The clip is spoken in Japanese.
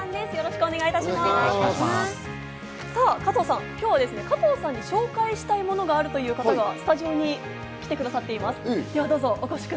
加藤さん、今日は加藤さんに紹介したいものがあるという方がスタジオに来てくださっています。